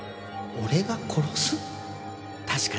「俺が殺す？」